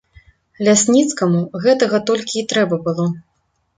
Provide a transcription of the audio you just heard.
Лясніцкаму гэтага толькі і трэба было.